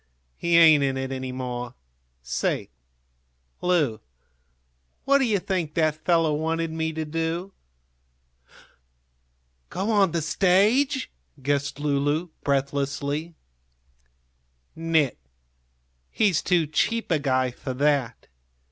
"He ain't in it any more. Say, Lu, what do you think that fellow wanted me to do?" "Go on the stage?" guessed Lulu, breathlessly. "Nit; he's too cheap a guy for that.